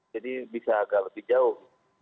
jadi bisa agak lebih jauh